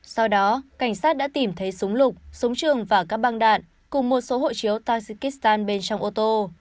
sau đó cảnh sát đã tìm thấy súng lục súng trường và các băng đạn cùng một số hộ chiếu tajikistan bên trong ô tô